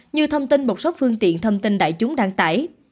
như thông tin một số phương tiện thông tin đại chúng đăng tải